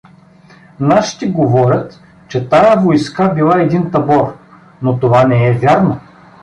Нашите говорят, че тая войска била един табор, но това не е вярно.